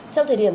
trong thời điểm